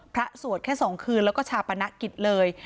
พระสวดแค่สองคืนแล้วก็ชาปน็ะกิดเลย